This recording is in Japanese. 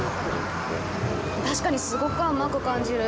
確かにすごく甘く感じる！